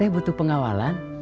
tetek butuh pengawalan